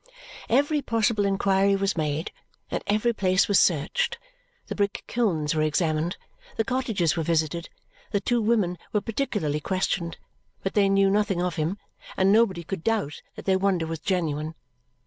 Every possible inquiry was made, and every place was searched. The brick kilns were examined, the cottages were visited, the two women were particularly questioned, but they knew nothing of him, and nobody could doubt that their wonder was genuine.